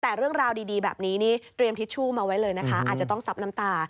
แต่เรื่องราวดีแบบนี้นี่เตรียมทิชชู่มาไว้เลยนะคะอาจจะต้องซับน้ำตา